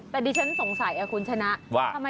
แต่เดี๋ยวฉันสงสัยเนี่ยคุณชนะว่า